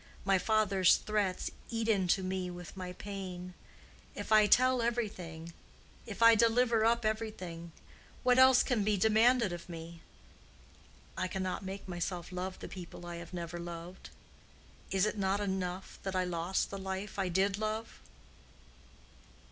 My father's threats eat into me with my pain. If I tell everything—if I deliver up everything—what else can be demanded of me? I cannot make myself love the people I have never loved—is it not enough that I lost the life I did love?"